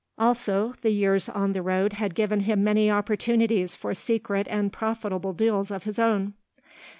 Also, the years on the road had given him many opportunities for secret and profitable deals of his own.